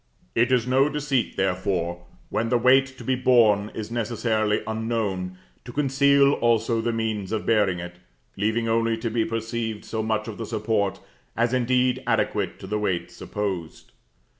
It is no deceit, therefore, when the weight to be borne is necessarily unknown, to conceal also the means of bearing it, leaving only to be perceived so much of the support as is indeed adequate to the weight supposed.